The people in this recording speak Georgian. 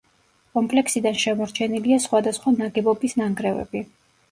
კომპლექსიდან შემორჩენილია სხვადასხვა ნაგებობის ნანგრევები.